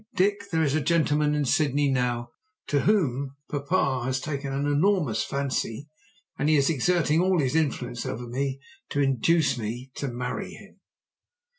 "Dick, there is a gentleman in Sydney now to whom papa has taken an enormous fancy, and he is exerting all his influence over me to induce me to marry him."